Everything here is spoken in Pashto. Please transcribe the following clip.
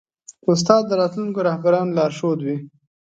استاد د راتلونکو رهبرانو لارښود وي.